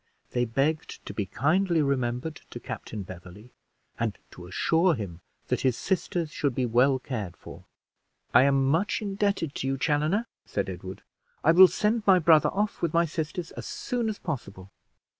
They begged to be kindly remembered to Captain Beverley, and to assure him that his sisters should be well cared for. "I am much indebted to you, Chaloner," said Edward; "I will send my brother off with my sisters as soon as possible.